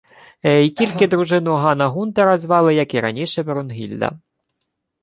Й тільки дружину Гана-Гунтера звали, як і раніше, Брунгільда.